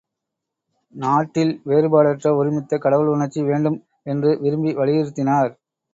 நாட்டில் வேறுபாடற்ற ஒருமித்த கடவுள் உணர்ச்சி வேண்டும் என்று விரும்பி வலியுறுத்தினார்.